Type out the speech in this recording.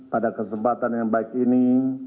pada kesempatan yang baik ini